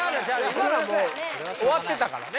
今のはもう終わってたからね